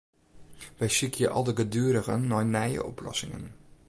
Wy sykje algeduerigen nei nije oplossingen.